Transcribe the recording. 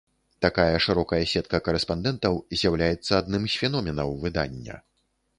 Такая шырокая сетка карэспандэнтаў з'яўляецца адным з феноменаў выдання.